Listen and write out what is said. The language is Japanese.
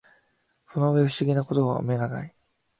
その上不思議な事は眼がない